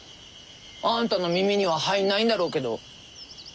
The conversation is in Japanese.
あんたの耳には入んないんだろうけど。